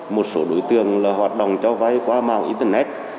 một số đối tượng là hoạt động cho vay qua mạng internet